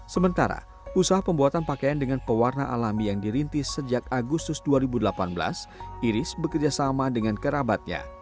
sementara usaha pembuatan pakaian dengan pewarna alami yang dirintis sejak agustus dua ribu delapan belas iris bekerja sama dengan kerabatnya